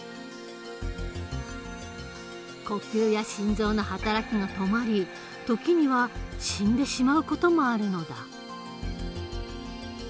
呼吸や心臓の働きが止まり時には死んでしまう事もあるのだ。